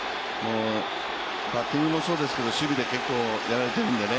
バッティングもそうですけど、守備で結構やられているんでね。